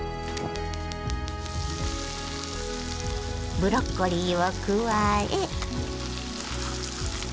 ブロッコリーを加え。